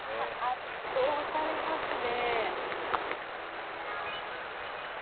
圧倒されますね。